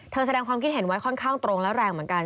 แสดงความคิดเห็นไว้ค่อนข้างตรงและแรงเหมือนกัน